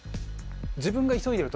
自分が急いでる時朝だ。